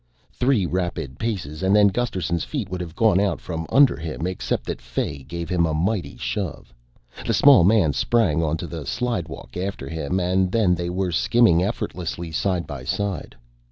Three rapid paces and then Gusterson's feet would have gone out from under him except that Fay gave him a mighty shove. The small man sprang onto the slidewalk after him and then they were skimming effortlessly side by side.